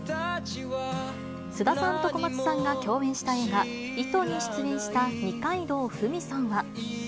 菅田さんと小松さんが共演した映画、糸に出演した二階堂ふみさんは。